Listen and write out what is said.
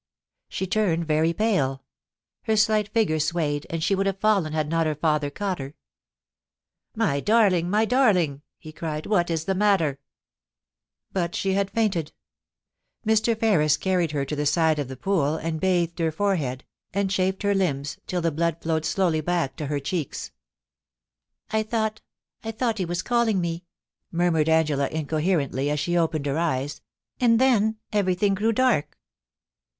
She turned very pale ; her slight figure swayed, and she would have fallen had not her father caught her. * My darling, my darling !' he cried, * what is the matter ?* But she had fainted. Mr. Ferris carried her to the side of the pool, and bathed her forehead, and chafed her limbs, till the blood flowed slowly back to her cheeks. *I thought — I thought he was calling me,' murmured Angela incoherently, as she opened her eyes ;* and then everything grew dark.'